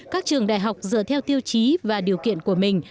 các trường đại học dựa theo tiêu chí và điều kiện của mình